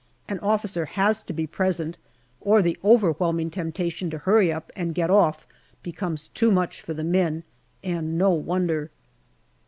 An officer has to be present, or the overwhelming temptation to hurry up and get off becomes too much for the men, and no wonder